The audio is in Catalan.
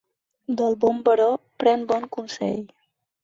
Del bon baró, pren bon consell.